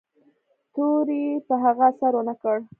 تورې په هغه اثر و نه کړ.